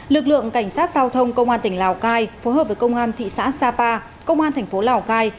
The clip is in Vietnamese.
lực lượng cảnh sát giao thông công an tỉnh lào cai phối hợp với công an thị xã sapa công an thành phố lào cai